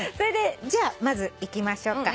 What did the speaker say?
じゃあまずいきましょうか。